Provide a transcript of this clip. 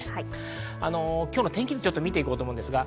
今日の天気図を見て行こうと思います。